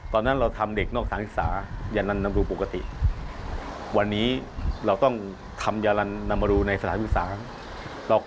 ตอนนั้นเราทำเด็กนอกฐานศาสตร์